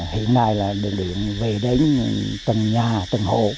hiện nay là đường điện về đến từng nhà từng hộ